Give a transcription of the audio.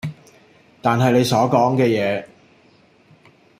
但係你所講嘅嘢